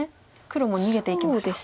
黒も逃げていきました。